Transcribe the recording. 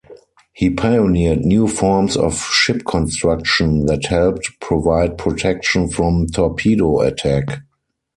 He pioneered new forms of ship construction that helped provide protection from torpedo attack.